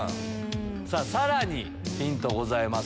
さらにヒントございます。